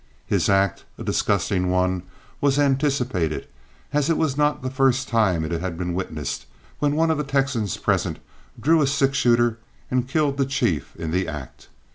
His act, a disgusting one, was anticipated, as it was not the first time it had been witnessed, when one of the Texans present drew a six shooter and killed the chief in the act.